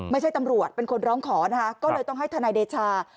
ไม่ใช่ตำรวจเป็นคนร้องขอนะคะก็เลยต้องให้ทนายเดชา